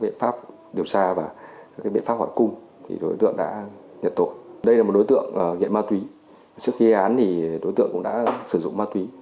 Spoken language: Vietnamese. trước khi án thì đối tượng cũng đã sử dụng ma túy